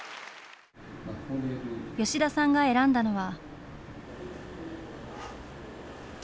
吉田さんが選んだのは。